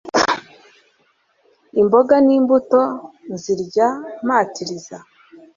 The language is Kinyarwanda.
Imboga n'imbuto nzirya mpatiriza